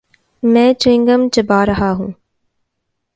میں chewing gum چبا رہا ہوں۔